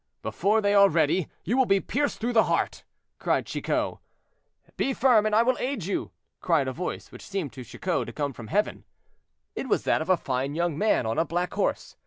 "Before they are ready, you will be pierced through the heart," cried Chicot. "Be firm, and I will aid you," cried a voice, which seemed to Chicot to come from heaven. It was that of a fine young man, on a black horse.